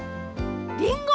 りんご！